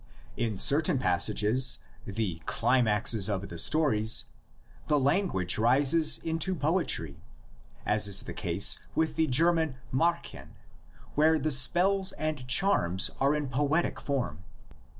In certain passages, the climaxes of the stories, the language rises into poetry, as is the case with the German Mdrchen where the spells and charms are in poetic form.